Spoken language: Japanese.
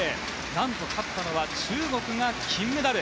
何と勝ったのは中国が金メダル。